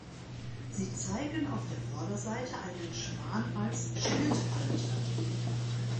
Sie zeigen auf der Vorderseite einen Schwan als Schildhalter.